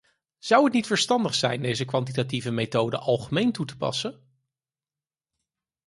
Zou het niet verstandig zijn deze kwantitatieve methoden algemeen toe te passen?